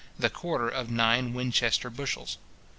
the quarter of nine Winchester bushels.